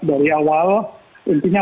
dari awal intinya